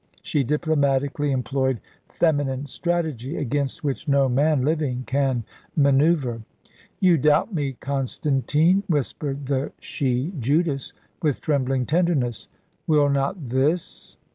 She diplomatically employed feminine strategy, against which no man living can man[oe]uvre. "You doubt me, Constantine," whispered the she Judas, with trembling tenderness; "will not this